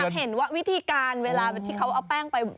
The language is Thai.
เห็นว่าวิธีการเวลาที่เขาเอาแป้งไป